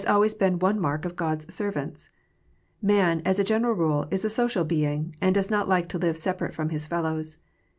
always been one mark of God s servants. Man, as a general rule, is a social being, and does not like to live separate from his fellows.